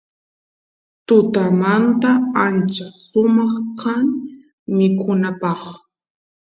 tutamanta ancha sumaq kan mikunapaq